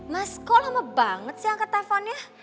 mas kok lama banget sih angkat teleponnya